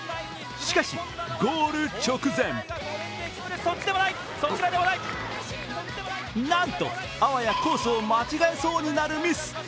しかし、ゴール直前なんとあわやコースを間違えそうになるミス。